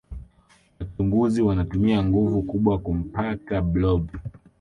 wachunguzi wanatumia nguvu kubwa kumpta blob